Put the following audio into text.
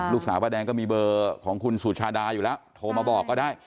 ป้าแดงก็มีเบอร์ของคุณสุชาดาอยู่แล้วโทรมาบอกก็ได้